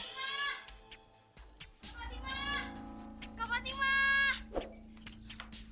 kau bawa timah